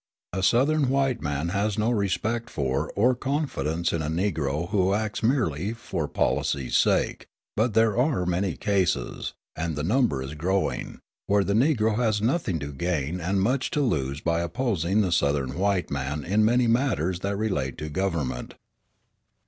A Southern white man has no respect for or confidence in a Negro who acts merely for policy's sake; but there are many cases and the number is growing where the Negro has nothing to gain and much to lose by opposing the Southern white man in many matters that relate to government.